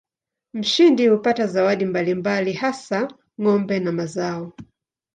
Mshindi hupata zawadi mbalimbali hasa ng'ombe na mazao.